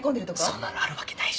そんなのあるわけないっしょ。